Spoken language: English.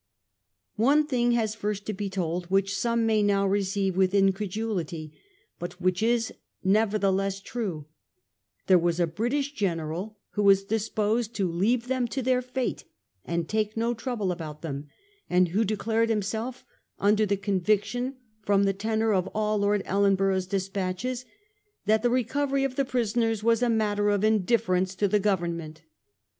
One thing has first to be told which some may now receive with in credulity, but which is, nevertheless, true — there was a British general, who was disposed to leave them to their fate and take no trouble about them, and who de clared himself under the conviction, from the tenor of all Lord Ellenborough's despatches, that the recovery of the prisoners was ' a matter of indifference to the Government.